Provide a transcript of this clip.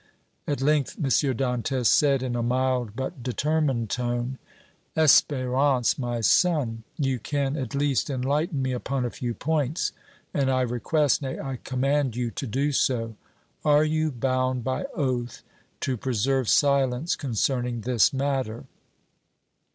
At length M. Dantès said, in a mild but determined tone: "Espérance, my son, you can, at least, enlighten me upon a few points, and I request, nay, I command you to do so. Are you bound by oath to preserve silence concerning this matter?"